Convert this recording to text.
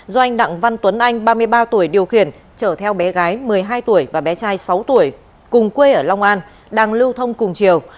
do anh đặng văn tuấn anh ba mươi ba tuổi điều khiển chở theo bé gái một mươi hai tuổi và bé trai sáu tuổi cùng quê ở long an đang lưu thông cùng chiều